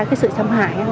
cái sự xâm hại